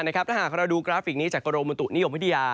ถ้าเราดูกราฟิกนี้จากกระโดมูลตัวนิยมวิทยา